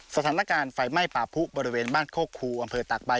สถานการณ์ไฟไหม้ป่าพุบริเวณบ้านโคกคูอำเภอตากใบ